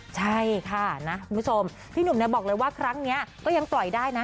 ใช่ค่ะนะคุณผู้ชมพี่หนุ่มบอกเลยว่าครั้งนี้ก็ยังปล่อยได้นะ